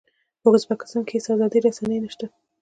په ازبکستان کې هېڅ ازادې رسنۍ نه شته.